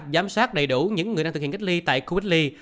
giám sát đầy đủ những người đang thực hiện kích ly tại khu kích ly